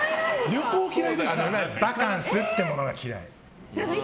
バカンスっていうものが嫌い。